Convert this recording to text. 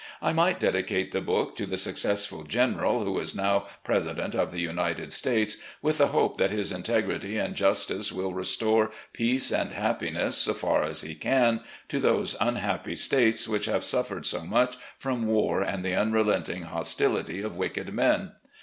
I might dedicate the book to the successful general who is now President of the United States, with the hope that his integrity and justice will restore peace and happiness, so far as he can, to those tmhappy States which have suffered so much from war and the unrelenting hostility of wicked men.